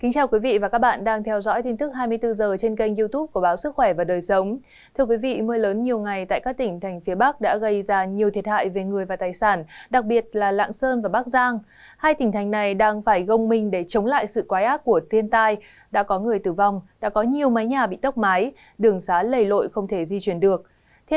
các bạn hãy đăng ký kênh để ủng hộ kênh của chúng mình nhé